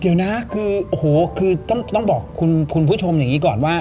เดี๋ยวนะคือโอ้โหคือต้องบอกคุณผู้ชมอย่างนี้ก่อนว่า